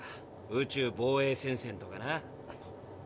宇宙防衛戦線とかな。